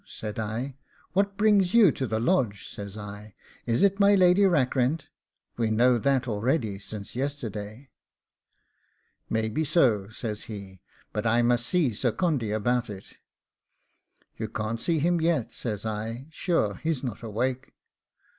said I; 'what brings you to the Lodge?' says I. 'Is it my Lady Rackrent? We know that already since yesterday.' 'Maybe so,' says he; 'but I must see Sir Condy about it.' 'You can't see him yet,' says I; 'sure he is not awake.